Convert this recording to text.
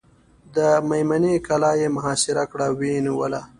د مېمنې کلا یې محاصره کړه او ویې نیوله.